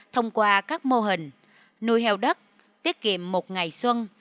thông qua các mô hình nuôi heo đất tiết kiệm một ngày xuân